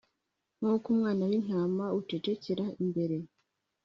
nk uko umwana w intama ucecekera imbere